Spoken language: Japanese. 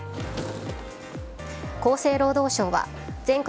厚生労働省は全国